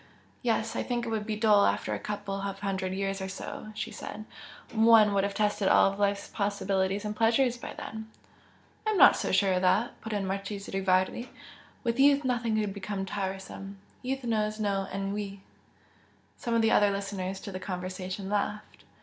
"Yes I think it would be dull after a couple of hundred years or so" she said "One would have tested all life's possibilities and pleasures by then." "I am not so sure of that!" put in the Marchese Rivardi "With youth nothing could become tiresome youth knows no ennui." Some of the other listeners to the conversation laughed.